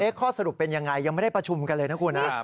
เอ๊ะข้อสรุปเป็นอย่างไรยังไม่ได้ประชุมกันเลยนะครับ